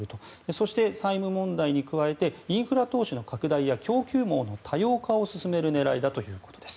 そして債務問題に加えてインフラ投資の拡大や供給網の多様化を進める狙いだということです。